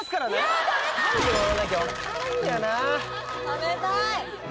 食べたい！